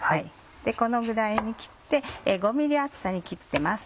このぐらいに切って５ｍｍ厚さに切ってます。